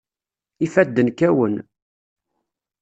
Ifadden kkawen.